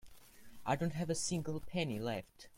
I don't have a single penny left.